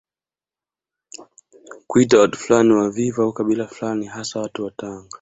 Kuita watu fulani wavivu au kabila fulani hasa watu wa Tanga